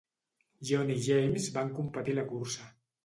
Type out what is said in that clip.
John i James van competir a la cursa